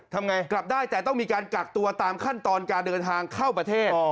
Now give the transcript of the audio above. ทำไงกลับได้แต่ต้องมีการกักตัวตามขั้นตอนการเดินทางเข้าประเทศ